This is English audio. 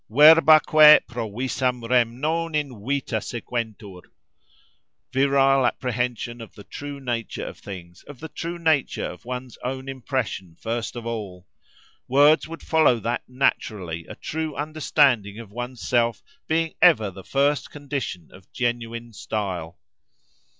Verbaque provisam rem non invita sequentur:+ Virile apprehension of the true nature of things, of the true nature of one's own impression, first of all!—words would follow that naturally, a true understanding of one's self being ever the first condition of genuine style.